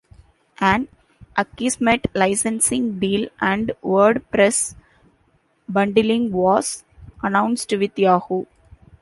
An Akismet licensing deal and WordPress bundling was announced with Yahoo!